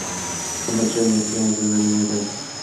먼발치로 눈에 띄기만 해도 외면을 해버린다.